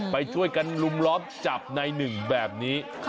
ไปช่วยกันลุมล้อมจับในหนึ่งแบบนี้